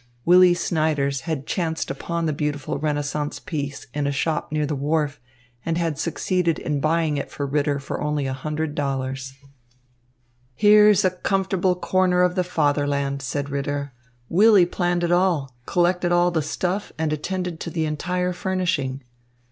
Willy Snyders had chanced upon the beautiful Renaissance piece in a shop near the wharf, and had succeeded in buying it for Ritter for only one hundred dollars. "Here's a comfortable corner of the Fatherland," said Ritter. "Willy planned it all, collected all the stuff, and attended to the entire furnishing."